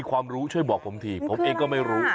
คุณดูด้วยช่วยบอกผมที่ผมเองก็ไม่รู้